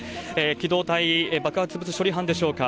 機動隊、爆発物処理班でしょうか。